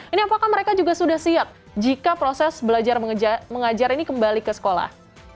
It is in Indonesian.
ini apakah mereka juga sudah siap jika proses belajar mengajar ini kembali ke sekolah